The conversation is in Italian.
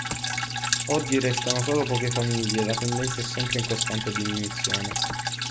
Oggi restano solo poche famiglie e la tendenza è sempre in costante diminuzione.